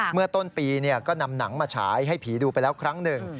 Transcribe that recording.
เมื่อต้นปีก็นำหนังมาฉายให้ผีดูไปแล้วครั้งหนึ่ง